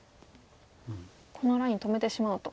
このライン止めてしまおうと。